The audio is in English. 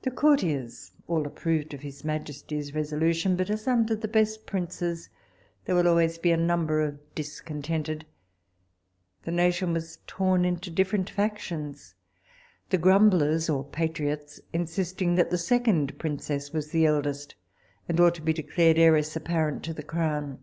The courtiers all approved his majesty's resolution; but as under the best princes there will always be a number of discontented, the nation was torn into different factions, the grumblers or patriots insisting that the second princess was the eldest, and ought to be declared heiress apparent to the crown.